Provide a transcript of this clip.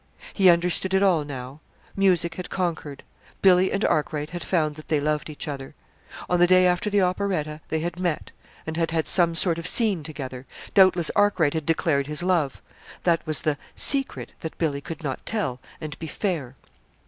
He understood it all now. Music had conquered. Billy and Arkwright had found that they loved each other. On the day after the operetta, they had met, and had had some sort of scene together doubtless Arkwright had declared his love. That was the "secret" that Billy could not tell and be "fair."